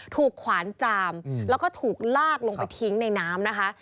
ขวานจามแล้วก็ถูกลากลงไปทิ้งในน้ำนะคะ